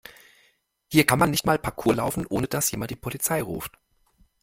Hier kann man nicht mal Parkour laufen, ohne dass jemand die Polizei ruft.